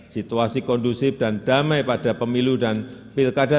situasi kondusif dan damai pada pemilu dan pilkada